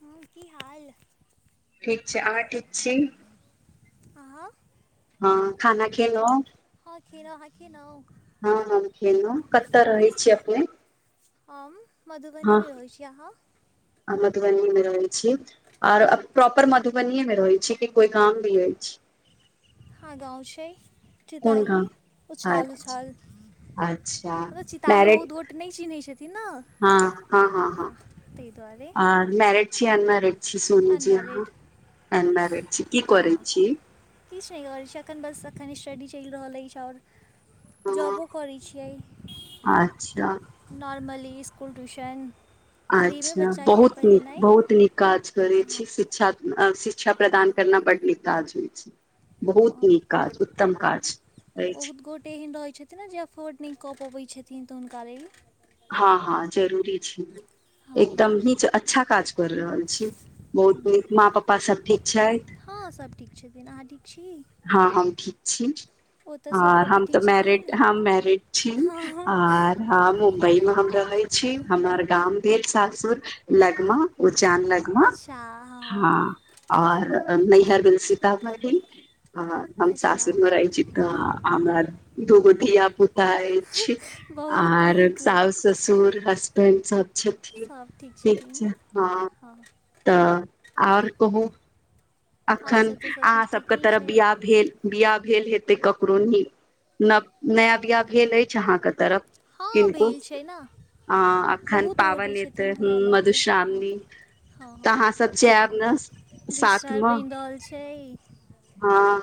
हँ की हाल ठीक छै आहाँ ठीक छी आहाँ हँ खाना खेलौ हँ खनौ आहाँ खेनौ हँ हम खेलौ कतऽ रहै छीयै अपने हम मधुबनी हँ मे होय छियै आहाँ मधुबनी ये मे रहै छी आर प्रॉपर मधुबनीे मे रहै छीयै कि कोई गाम भी अइछ हँ गाँव छै कोन तिताही गाम उछाल अच्छा उछाल अच्छा मतल चिताही मैरिड बहुत गोट नै चिन्है छथिन न हँ तै दुआरे आर मैरेज छी अनमैरेज छी सोनी जी अहाँ अनमैरिड अनमैरेड छी की करै छी कि चैल रहल छै अखन बस एखन स्टडी चैल रहल अछि आओर हँ, जॉबो करै छियै अच्छा नॉर्मली स्कूल ट्यूशन फ्रीमे अच्छा बच्चाके बहुत नीक पढ़ेनाइ बहुत नीक काज करै छी हँ शिक्षा ‌अ‌ शिक्षा प्रदान करना बड निकाज होइ छै बहुत हँ नीक काज उत्तम काज अछि बहुत गोटे एहन रहै छथिन ने जे अफोर्ड नै कऽ पबै छथिन तऽ हुनका लेल हँ हँ जरूरी छै हँ हँ एकदम नीच‌ अच्छा काज कर रहल छी बहुत नीक माँ पप्पा सब ठीक छैथ हँ सभ ठीक छथिन अहाँ ठीक छी हँ हम ठीक छी ओतय आ सभगोटे हम तऽ ठीक मैरिड छथिन हम मैरिड छी हँ आर ह मुम्बई मे हम रहै छी हमर गाम भेल सासुर लगमा उजान लगमा हँ। आर नैहर भेल सितामढ़ी आर हम अच्छा सासुर मे रहै छी तऽ हमरा दुगो धियापुता अछि बहुत आर नीक साउस ससुर हसबैंड सब छथिन। सभ ठीक छथिन छै। हॅं हँ तऽ आओर कहू आओर अखन सभ तऽ अहाँ सभकिछु सबके ठीके तरफ छै बिआह भेल बिआाह भेल हेतै ककरो नी न नया बिआाह भेल अछि। अहाँके तरफ हँ किनको भेल छै ने अ अखन बहुत गोटे पावैन एतै छथिन ह गामके हँ मधुश्रावणी। हँ तऽ हँ अहाँ सब जायब ने साथमे बैन रहल छै। हँ।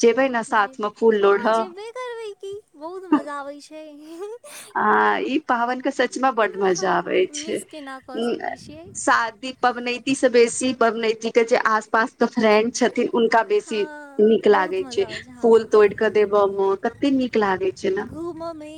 जेबै ने जेब साथमे फूल हँ लोढ़ऽ जेबे करबै कि बहुत मजा आबै छै। ह ई पाबैन के सचमे बड मजा आबे छै। मिस केना कऽ सकै छियै शादी पबनैती से बेसी पबनैत के जे आस पास के फ्रेंड छथिन। उनका बेसी हँ नीक बहुत लागै छै मजा आबै फूल हँ तोइड़ कऽ देबमे कते नीक लागे छै। ने ममी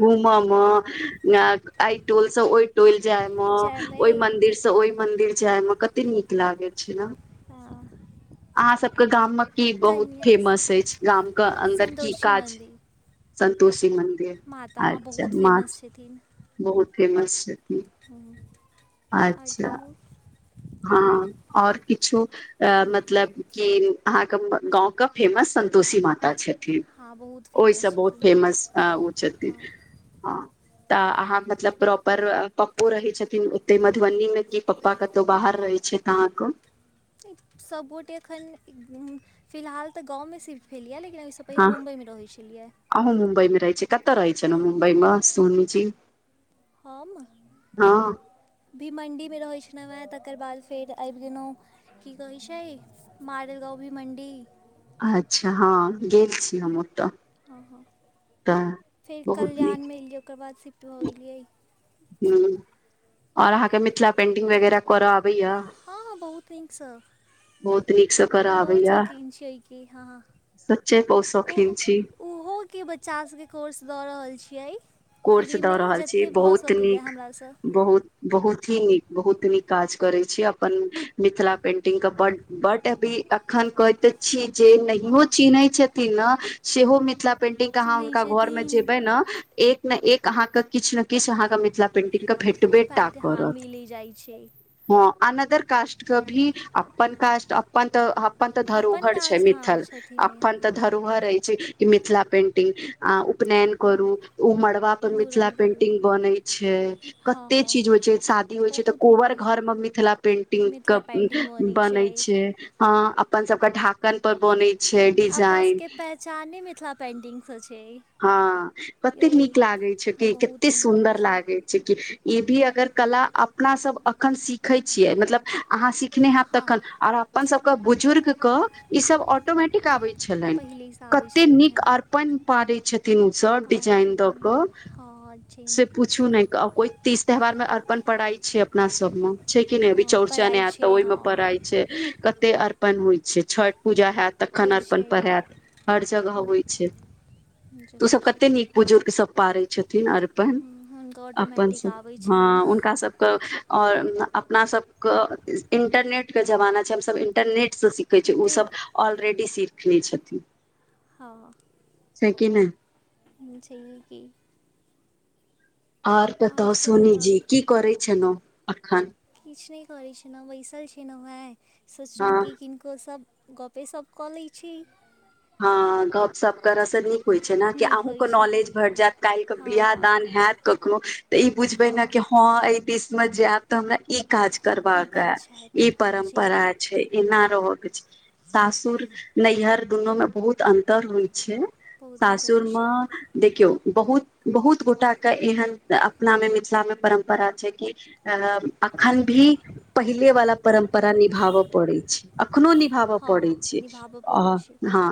घूमऽ मे अइ टोल स ओइ टोइल जाय मे जायमे ओहि मंदिर से ओहि मंदिर जाय मे कते नीक लागैत छै। न हँ। अहाँ सबके गाम मे की बहुत कन्या फेमस अछि। गाम के अन्दर की सन्तोषी काज मन्दिर संन्तोषी मन्दिर माता हँ अच्छा बहुत म फेमस बहुत फेमस छथिन हुॅं अच्छा। हँ अओर किछु अ मतलब कि अहाँके गाँव के फेमस सं तोषी माता छथिन। हँ बहुत ओहिसँ फेमस बहुत छथिन फेमस ओ छथिन। हँ ह तऽ अहाँ मतलब प्रॉपर पप्पो रहै छथिन। ओते मधुबनी मे कि पप्पा क बाहर रहै छैथ अहाँक सब गोटे अखन फिलहाल तऽ गाँव मे सिर भेलयै लेकिन तऽ पहिले मुम्बइमे रहै छलियै। अहु मुंबइ मे रहय छै। कत रहै छेलौ हँ हँ मुंबईमे सोनीजी हँ भी मण्डीमे रहै छलौ हॅं तकर बाद फेर आबि गेलौ की कहै छै। मारेल गाँवभीमण्डी अच्छा हँ गेल छी हम ओतऽ हँ हँ तऽ फेर बहुत नीक कल्याणमे एलियै ओकर बाद सिफ्ट भऽ गेलियै। ह और अहाँकेँ मिथिला पेटिग वगेरह करऽ आबैया हँ हँ बहुत निक स बहुत नीकसँ करऽ हम बहुत आबैया शौकीन छियै एहिके। ह ह सच्चे बहुत शौकीन ओहो छी ओहोके बच्चा सभके कोर्स दऽ रहल छियै। कोर्स दऽ फ्रीमे रहल छी जतेक भऽ बहुत सौक अए नीक हमरास- बहुत बहुत ही नीक बहुत नीक काज करैत छी। अपन मिथिला पेंटिंगके बड़ बट अभी अखन कहैतैते छी। जे हँ नहियो हँ चिन्हैत छथिन ने सेहो मिथिला पेंटिंग अहाँ चिन्हैत हुनका घर मे छथिन जेबै ने एक। ने एक अहाँ के किछ ने किछ अहाँ के मिथिला पेंटिंग के भेट। फट हँ मिली जाइ छै।। हँ अनदर कास्ट क भी अपन कट अपन त अपन तऽ अपन धरोहर छै। काज हँ मिथल छथिन अपन हँ तऽ धर ह रहै छै कि मिथिला पेन्टिंग अ उपनयन करू हँ ओ मड़बा पर मिथिला मूड़नके पेंटिंग रूप बन छै। हँ कते हँ चीज होइ छै शादी होइ छै तऽ बहुत नीक कोबर होइ छै घर मे मिथिला पेंटिंग के बनै छै। हँ अपन सभ के ढाकन पर बने अपना सभके पेहचाने मिथिला पेंटिंग सऽ छै हँ यौ कतेक नीक लागे छै हँ के बहुत कते नीक लागै सुंन्दर छै लागे। इ भी अगर कला अपना सभ अखन सीखै छियै मतलब अहाँ सिखने हैव हँ तखन हँ आर अपन सभके बुजुर्गक ई सभ ऑटोमेटिक आबे छलैन पहिलेसँ आबै कते छलनि नीक हेँ ओ अर्पण पारै छथिन ओ सभ पारै डिजाइन दऽ छथिन कऽ हँ छै से पूछू नीक नहि कोइ तीज त्यौहार मे अर्पण पड़ाइ छैय अपना सभमे छै कि नहि अभी हँ चौरचन पढ़ाइ ऐत तऽ छै हँ ओहिमे पड़ाइ छै कते अर्पण होइ छै छठ पूजा हैत तखन होइ अर्पण छै परैत हर जगह होइ छै। जे उ ओसभ होइ छै कते नीक बुजुर्ग सभ पारै छथिन अर पन हुनका अपन ऑटोमेटिक आबै सभ हँ हुनका छनि सभ कऽ ओर अपना सभक इन्टरनेटके जमाना छै हमसभ इन्टरनेटसँ सी कहै छै ओ देख सभ ऑलरेडी सीखने छथिन हँ। छै कि नहि जी आर कता आओर सब बताउ सोनीजी की करै छेलौ अखन किछ नै करै छेलौ बैसल छलौ हेँ सोचलौ हँ कि किनको सभ- गपेसप कऽ लै छी। ह गपशप करऽ स नीक होइ छै न कि नीक होइ अहूँके छै हँ नॉलेज भेट जैत काइल क हँ बियाह हँ दान हैत कखनो तऽ ई बुझबै ने हँ कि हम हँ अय दिस मे जैब तऽ हमरा ई काज ई करबाक ह काज हैत इ हँ छै परम्परा कि छै एना रहऽ के छै सासुर नैहर दुनू मे बहुत अंतर होइ छै बहुतंत्र सासुर ऋषि हँ म देखियौ बहुत बहुत गोटा के एहन अपना मे मिथिला मे परम्परा छै कि अखन भी पहिले वाला परम्परा निभाबऽ पड़ैत छै अखनो निभाबऽ हँ पड़ै हँ छै निभाबऽ अ पड़ै छै हँ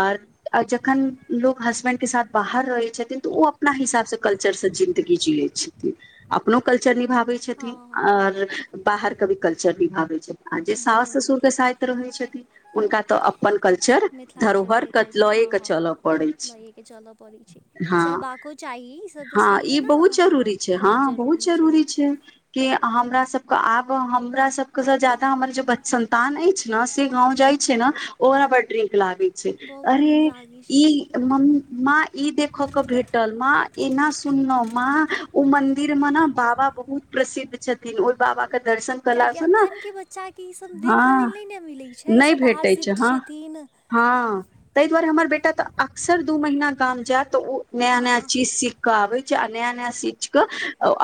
आर आ जखन लोग हसबेंड के साथ बाहर रहै छथिन तऽ ओ अपना हिसाब स कल्चर स जिंदगी जियै छथिन अपनो कल्चर निभाबै हँ छथिन हँ आओर बाहर क भी कल्चर निभाबै छथि जे हँ सास दुनू ससुर कहै के छै सा रहै छथि उनका तऽ अपन कल्चर धरोहर मिथिलाञ्चलके कहै कत छै लए हँ के हँ चलऽ पड़ै लएके चलऽ पड़ै छै आ ह चलबाको चाही ई सब तऽ हँ छैहे ई ने बहुत हँ जरूरी छै हँ बहुत जरूरी छै। के हमरा सभ के आब हमरा सभके से जादा हमर जे संतान अइछ न‌ से गाव जाय छै न ओरा बड्ड नीक लागै छै बहुत नीक अरे लागै ई छै मम्मी माँ ई देखय क भेटल माँ एना सुनलो माँ उ मंदिर मे न बाबा बहुत प्रसिद्ध छथिन ओइ बाबा के दर्शन कियाकि कयलासँ ने अखनके बच्चाके ईसभ देखऽ हँ लेल नय न मिलै छै नहि ईसभ बाहर भेटै छै शिफ्ट हँ छथिन हँ तै दुआरे हमर बेटा तऽ अक्सर दू महीना गाम जैत ओ नया हँ नया हँ चीज सीख कऽ आबै छै आ नया नया सिच क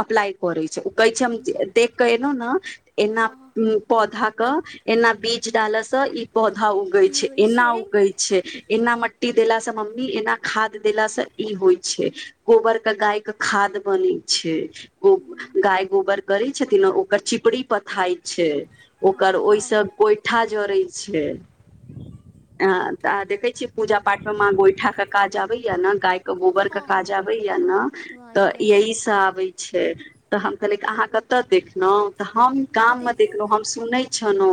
अप्लाइ करै छै उ कहै छै हम जे देखक एलौं न एना हँ हँ पौधा क एना बीज डालऽ स ई पौधा उगे की छै होइ एना हो छै एना मट्टी देलासँ मम्मी एना खाद देलासँ ई होइ छै गोबर कऽ गायके खाद बनै गाय गोबर करै छथिन ओकर चिपरी पथाई छै हँ ओकर हँ ओइसँ गोइठा जड़ै छै। अ तऽ देखे छीयै पूजा पाठ मे माँ गोइठा के काज आबै या न गाय क गोबर के हँ हँ काज आबै या न तऽ धुआँके यही हँ सभ आबै छै तऽ हम कहलियै अहाँ कतऽ देखलौ तऽ हम गाम मे देखे देखलहु हम सुनै छलहुँ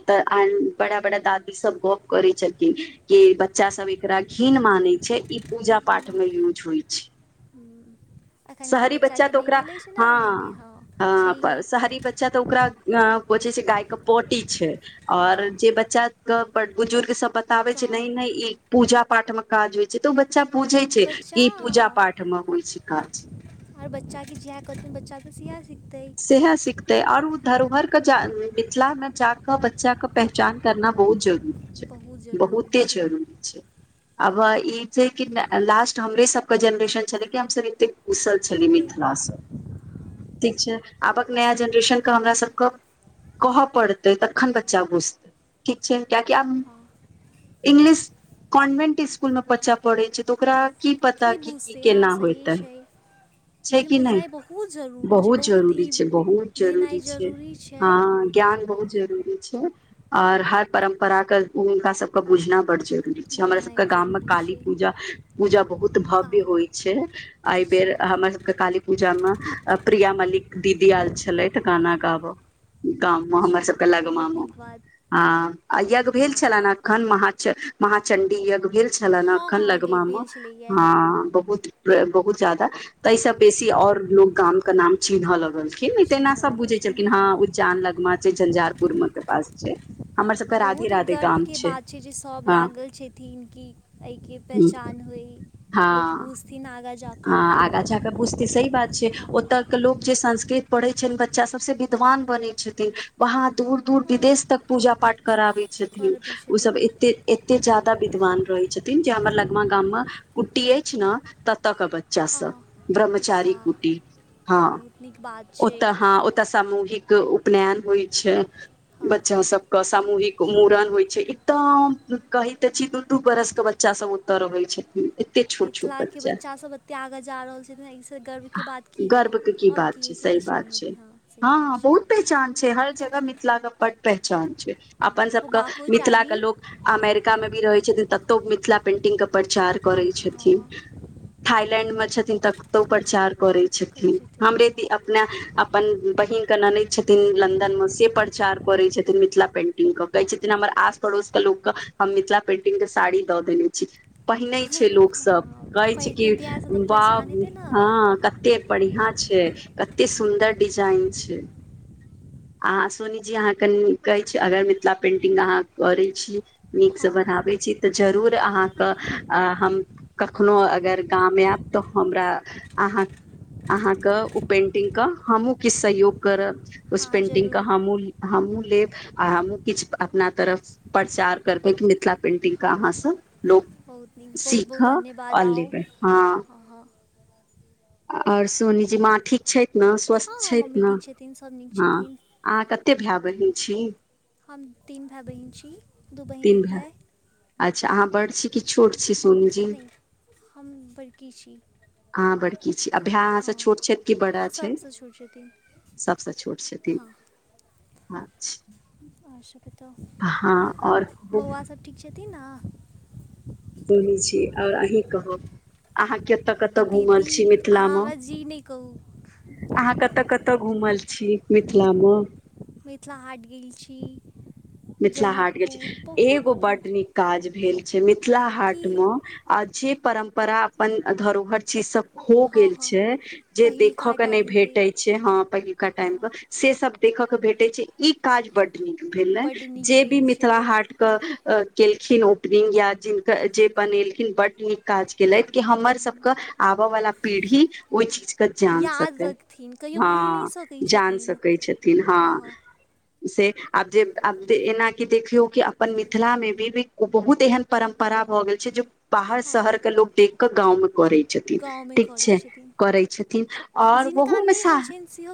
ओतऽ बड़ा बड़ा दादी सभ गप करै छथि न के बच्चा सभ एकरा घिन मानै छै। ई पूजा पाठ मे यूज होइ छै। ह एखुनका शहरी बच्चा बच्चाके तऽ नहि ओकरा मिलैत छै। नेनने हँ छैहे। हँ शहरी बच्चा तऽ ओकरा अ को छै। गाय के पोटी छै। आऔर जे हँ बच्चा ब बुजुर्ग सभ बताबे छै। नै गाँव नइ ई पूजा पाठ मे काज होय छै। तऽ बच्चा पूजे छै। बच्चा ई पूजा पाठ होइ छै। काज आओर बच्चाके जएह कहथिन बच्चाके सिएह सिखतै सएह सिखते आऔर ओ हँ धरोहर के मिथिला मे जाकऽ बच्चा के नचान करना बहुत जरूरी छै। बहुत जरूरी बहुते छै जरूरी छै। अब ई छै कि लास्ट हमरे सभके जेनरेशन छलै कि हमसभ एतेक। कुशल छलै। ए मिथिला सभ ठीक छै। आबक नया बहुत जेनरेशन हमरा सभके कहऽ पड़ते तखन बच्चा घुसतै? ठीक छै। कियाकि आब हँ इंग्लिश कॉन्वेन्ट इसकुलमे बच्चा पढ़ै छै। त ओकरा कि पता की बुझतै हँ केना सहिए होतै छै छै। लेकिन कि नहि बुझनाइ बहुत जरूरी छै बहुत जर ई छै। बहुत भेनाइ जरूरी छै। छै हँ ज्ञान बहुत जरुररी छै। और हर परम्परा के हुनका सभ के बुझना बड जररी हमरा बुझनाइ सभके गाम मे जरूरी काली छै पूजा पूजा बहुत भव्य काल होइ छै। आइबर अच्छा हम काली पूजा मे प्रिया मलिक दीदी आयल छलै। गाना गाब गाम मे हमर अच्छा सभके लगमा बहुत मे नीक बात आ यज्ञ भेल लगमा छले। ने एखन महा महाचणडी यज्ञ भेल छलनि। ह हँ एखन हँ हँ गे लगमा मे भेल छलैए हैं बहुत- बहुत ज्यदा तास बेसी और लोग गाम के नाम चिन्हऽ लगल। तेना छीनऽ सभ बुझै लगलखिन छलखिन हँ उज्जान लगमा छै। झंझारपुर के पास छै। हमर सबके राधे बहुत ई राधे गाम गर्वके बात छै। जे सभ हँ लागल छथिन। कि एहिके पहचान होइ लोक भूझथिन आगा जा हाँ आगा जाक बुझ सही बात छै। हँ ओतय के लोक जे संस्कृत पढ़ैत छै। बच्चा सब से विद्वान बनै छथिन। वहाँ दूर दूर विदेश हँ, तक पूजा पाठ कराबै छथिन। करबै ओ सब छथिन एते एते जादा विद्वान रहै छथिन। जे हमर लगमा गाम मे कुट्टी अछि। ने ततऽ केबच चा सब हँ ब्रह्मचारी अच्छा कूटी हँ बहुत नीक बात ओ छै तऽ हँ ओ समूहिक उपनयन होइ छै। हँ बच्चा सब क सामूहिक मूड़न होइ छै। ई तऽ कही ते छी। दू दू बरस के बच्चा सब ओतऽ रहै छै। मिथिला के बच्चा सब एते आगा जा रहल छै न त गर्वके बात की हेतै गर्व के आओर बात की होइ छै। किछु नै हेतै हँ सही बात छै। पेहचान छै। हर जगह मिथिला के पट पेहचान छै। अपन सबक होबाको मिथिला क चाही लोक अमेरिका हँ मे भी हँ रहै छथिन। ततौ मिथिला पेंटिंग क प्रचार करै हँ छथिन। हँ थाइलैंड मे छथिन ततौ प्रचार करै छथिन। हमरे ति अपने अप अपन बहिनक ननैद छथिन। लन्दन मे से प्रचार करै छथिन। मिथिला पेंटिंग क कहै छथिन। हमर आस पड़ोस क लोकक हम मिथिला पेंटिंग क साड़ी दऽ देने छी। हँ पहिनै छै। लोकसभ कहै छै। कि पहिरथिन तऽ इएहसँ तऽ बाब पहिचान हँ। हेतै ने हँ कते बढ़िया छै। कते सुन्दर डिजाइन छै। आहाँ सोनी जी आहाँ कनि कहै छी। अगर मिथिला पेंटिंग आहाँ करै छी। नीक स हँ बराहबै छय। तऽ जरूर अहाँके हम कखनो अगर गाम आयब तऽ हमरा आहाँ आहाँक ओ पेन्टिंगक हमहूँ किछु सहयोग करब उस हँ पेन्टिंग का जरूर हम मूल हमहुँ लेब आ हमहु किछ अपना तरफ स प्रचार करबै मिथिला पेंटिंग क हँ आहाँसँ लोक बहुत नीक सीख आओर लेबै हँ। आहाँ आओर सोनी जी माँ ठीक छथि न स्वस्थ हँ हँ छथि मम्मी न ठीक छथिन सभ नीक हँ छथिन अहाँ कते भाएय बहिन छी हम तीन भाएय बहिन छी दू बहिन तीन एक भाएय। भाय अच्छा आहाँ बड़ सी- ई छोट छै सोनी जी नहि हम बड़की छी आहाँ बड़की छी आ भाएय आहाँ से हँ छोट छथि कि बड़ा हँ छैय सभसँ छोट छथिन सब स छोट छथि ई हँ अचछा अछ हँ आओर एथिन न सुनय छीयै आओर अहीं कहब अहाँ केतऽ कतऽ घुमल छीयै मिथिला मे कौ आहाँ कतऽ कतऽ घुमल छी मिथिला मे मिथिला हाट गेल छी मिथिला हाट गेल छी जनकपुर एगो बहुत बड्ड नीक काज भेल छैय मिथिला हाट की मे अछि परम्परा अपन धरोहर चिज सब खो हँ गेल हँ छैय जे देखऽ पहिलका के नै टाइमके भेटै छैय हँ पहिलुका टाइम हँ प से सब देखय कऽ भेटय छै ई काज बड बड नीक भेल छैय हाट कऽ केलखिन ओपनिंग या जिनक जे बनेलखिन बड नीक काज केलैथ कि हमर सब कऽ आब बला पीढ़ी ओइ चीज कऽ जान याद सकय रखथिन कहियो भूलि नहि हँ सकै जान छथिन सकय छथिन हँ [inaudible] से आब जे एना की देखियौ कि अपन मिथिला मे विविध बहुत एहन परम्परा भऽ गेल छै जे बाहर हँ शहर केँ लोक देख कऽ गाँव मे करै छथिन गाँवमे ठीक करै छै छथिन करै छथिन और जिनका ओहू मे नहि सा होइ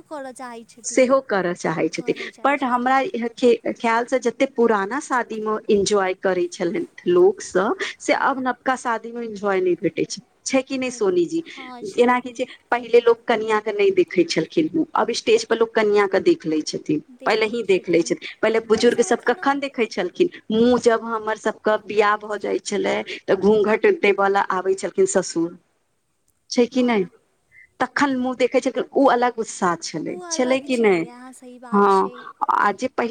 [unintelligible] सेहो करय चाहैत छथि करय चाहै बट छथिन हमरा यर केँ ख्याल से जते पुराना शादी म एंजॉय करै छलैन लोक सऽ से अब हँ नबका शादी म इनजॉय नै भेटै छै छै की नै नहि भेट सोनीजी हँ छै जेना की कि जे पहिले लोक कनिया कऽ नहि देखै छलखिन अब स्टेज पर लोक कनिया कऽ देख लै छै पहिले ही लै देख लय छथिन छैय पहिले बुजुर्ग एहिसभ सब एखनहु कखन देख देखै छलखिन मुँह जब हमर सब कऽ बियाह भऽ जाय छलय तऽ घूँघट देबऽ लेल आबै केँ ससुर छैय कि नै हँ [inaudible] तखन मुँह देखै छैलखिन उऽ अलग उत्साह छलय ओ छलय अलग कि नै छलैए अहाँ सही [inaudible] बात हँ छै आ जे पहिले